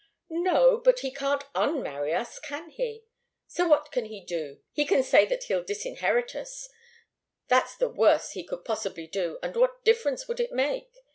"No but he can't unmarry us, can he? So what can he do? He can say that he'll disinherit me. That's the worst he could possibly do, and what difference would it make?